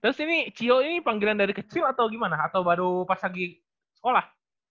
terus ini cio ini panggilan dari kecil atau gimana atau baru pas lagi sekolah